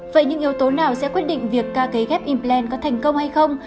vậy những yếu tố nào sẽ quyết định việc ca cây ghép implant có thành công hay không